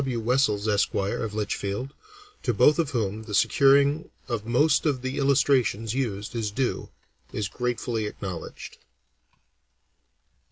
W. Wessells, Esq., of Litchfield, to both of whom the securing of most of the illustrations used is due, is gratefully acknowledged.